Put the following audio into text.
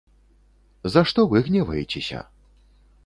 За што вы гневаецеся?